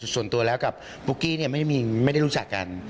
ส่วนตัวแล้วกับปุ๊กกี้ไม่ได้รู้จักกัน